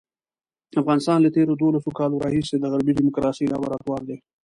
افغانستان له تېرو دولسو کالو راهیسې د غربي ډیموکراسۍ لابراتوار دی.